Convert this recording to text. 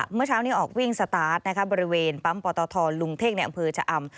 เมื่อเช้านี้ออกวิ่งสตาร์ทบริเวณปั๊มปตทลุงเท่งในอำเภอชะอำ